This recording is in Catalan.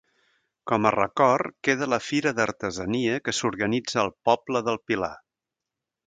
Com a record queda la fira d'artesania que s'organitza al poble del Pilar.